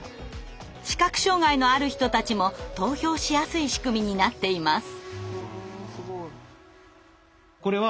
視覚障害のある人たちも投票しやすい仕組みになっています。